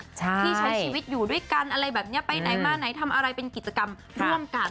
ที่ใช้ชีวิตอยู่ด้วยกันอะไรแบบนี้ไปไหนมาไหนทำอะไรเป็นกิจกรรมร่วมกัน